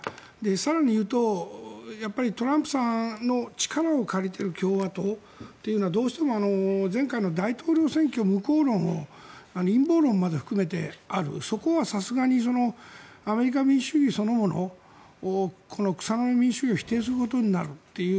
更にいうとトランプさんの力を借りている共和党というのはどうしても前回の大統領選挙の陰謀論も含めてあるそこはさすがにアメリカ民主主義そのものを草の根民主主義を否定するということになると。